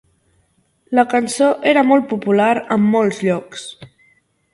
La cançó era molt popular en molts llocs.